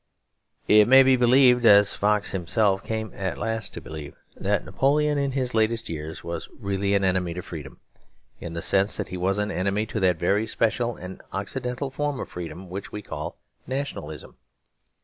It may be believed, as Fox himself came at last to believe, that Napoleon in his latest years was really an enemy to freedom, in the sense that he was an enemy to that very special and occidental form of freedom which we call Nationalism.